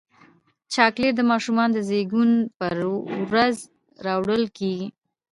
چاکلېټ د ماشومانو د زیږون پر ورځ راوړل کېږي.